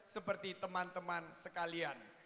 seperti teman teman sekalian